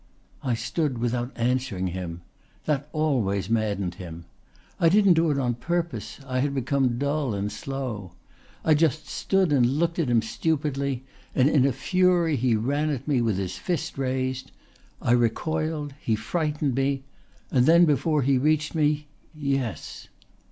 I stood without answering him. That always maddened him. I didn't do it on purpose. I had become dull and slow. I just stood and looked at him stupidly, and in a fury he ran at me with his fist raised. I recoiled, he frightened me, and then before he reached me yes."